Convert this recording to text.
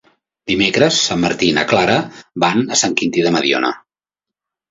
Dimecres en Martí i na Clara van a Sant Quintí de Mediona.